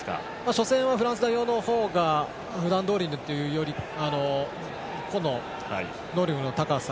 初戦はフランス代表の方が普段どおりにというか個の能力の高さ。